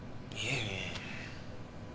いえいえ。